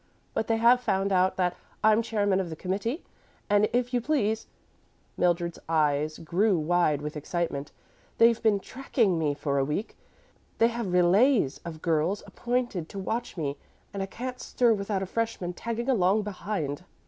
But they have found out that I'm chairman of the committee, and, if you please," Mildred's eyes grew wide with excitement, "they've been tracking me for a week. They have relays of girls appointed to watch me, and I can't stir without a freshman tagging along behind.